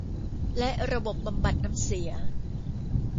และระบบบำบัดน้ำเสีย